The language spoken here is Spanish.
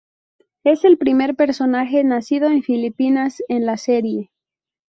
Es el primer personaje nacido en Filipinas en la serie.